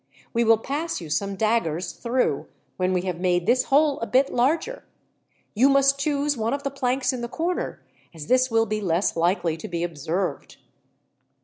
We will pass you some daggers through, when we have made this hole a bit larger. You must choose one of the planks in the corner, as this will be less likely to be observed."